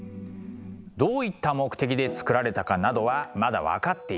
どういった目的で作られたかなどはまだ分かっていないんです。